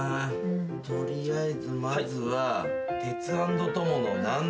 取りあえずまずは。